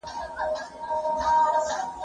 زه اجازه لرم چي پاکوالی وکړم،